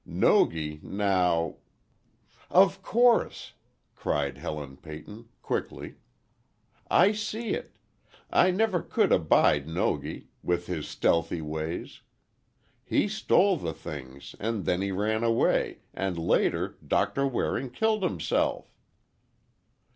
Nogi, now—" "Of course!" cried Helen Peyton, quickly; "I see it! I never could abide Nogi, with his stealthy ways. He stole the things, and then he ran away, and later, Doctor Waring killed himself!"